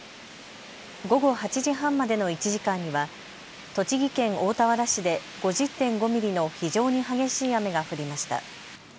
午後８時半までの１時間には栃木県大田原市で５０．５ミリの非常に激しい雨が降りました。